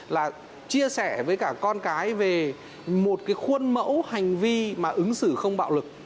là chia sẻ với cả con cái về một cái khuôn mẫu hành vi mà ứng xử không bạo lực